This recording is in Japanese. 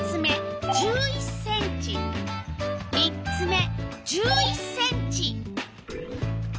３つ目１１ｃｍ。